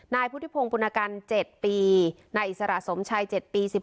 นายพุทธิพงศ์ปุณกัน๗ปีนายอิสระสมชัย๗ปี๑๒